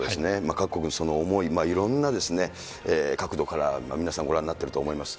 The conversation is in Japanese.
各国のその思い、いろんなですね、角度から皆さん、ご覧になってると思います。